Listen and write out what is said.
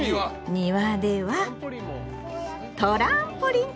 庭ではトランポリン！